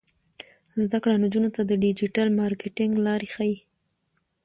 زده کړه نجونو ته د ډیجیټل مارکیټینګ لارې ښيي.